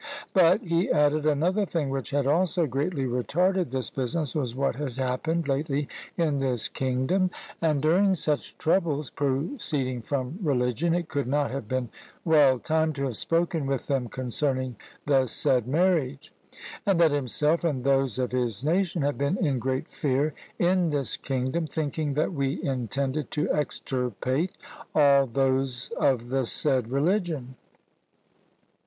But, he added, another thing, which had also greatly retarded this business, was what had happened lately in this kingdom; and during such troubles, proceeding from religion, it could not have been well timed to have spoken with them concerning the said marriage; and that himself and those of his nation had been in great fear in this kingdom, thinking that we intended to extirpate all those of the said religion.